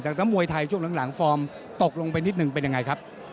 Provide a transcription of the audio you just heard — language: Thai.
แต่ถ้ามวยไทยช่วงหลังฟอร์มตกลงไปนิดนึงเป็นยังไงครับ